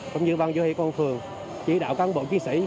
cũng như ban giới hệ công an phường chỉ đạo các bộ kinh sĩ